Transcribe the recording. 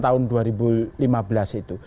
tahun dua ribu lima belas itu